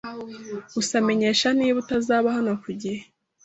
Gusa menyesha niba utazaba hano ku gihe.